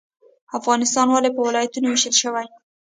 افغانستان ولې په ولایتونو ویشل شوی؟